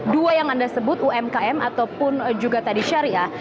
dua yang anda sebut umkm ataupun juga tadi syariah